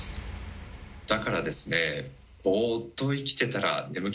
だからですね